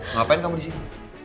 ngapain kamu disini